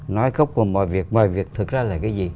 nói khốc của mọi việc mọi việc thực ra là cái gì